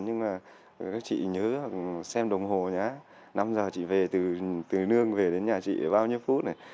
nhưng mà các chị nhớ xem đồng hồ nhé năm giờ chị về từ nương về đến nhà chị là bao nhiêu phút này